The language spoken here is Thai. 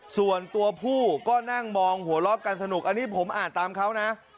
ส่วนตัวผู้ก็นั่งมองหัวรอบกันสนุกอันนี้ผมอ่านตามเขานะ